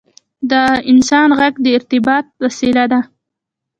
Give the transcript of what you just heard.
• د انسان ږغ د ارتباط وسیله ده.